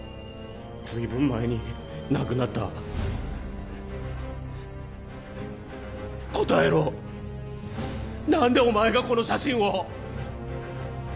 ずいぶん前に亡くなった答えろ何でお前がこの写真を？